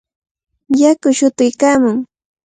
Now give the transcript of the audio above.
Yaku shutuykaamun.